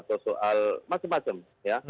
atau soal masing masing ya